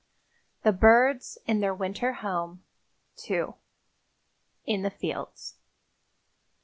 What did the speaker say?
THE BIRDS IN THEIR WINTER HOME. II. (In the Fields.)